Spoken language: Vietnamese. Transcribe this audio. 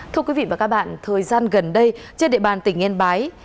thưa quý vị và các bạn thời gian gần đây trên địa bàn tỉnh yên bái